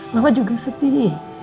kamu juga setih